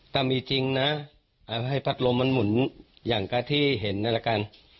ตามีจริงน่ะเอาให้พัดลมมันหมุนอย่างกะทิเห็นนั่นะคะ